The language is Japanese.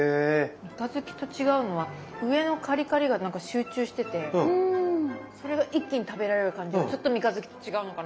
三日月と違うのは上のカリカリが何か集中しててそれが一気に食べられる感じがちょっと三日月と違うのかな。